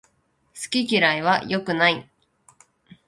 好き嫌いは良くない